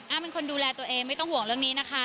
เป็นคนดูแลตัวเองไม่ต้องห่วงเรื่องนี้นะคะ